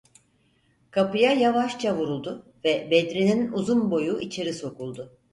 Kapıya yavaşça vuruldu ve Bedri’nin uzun boyu içeri sokuldu.